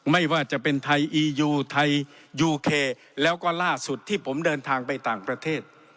ไม่ว่าจะเป็นไทยอียูไทยยูเคแล้วก็ล่าสุดที่ผมเดินทางไปต่างประเทศ